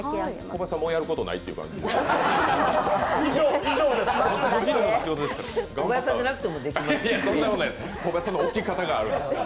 小林さん、もうやることないって感じですか？